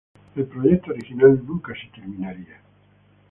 El proyecto original nunca se terminará.